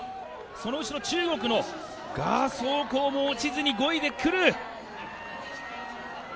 その後ろ、中国の賀相紅も落ちずに５位でくる。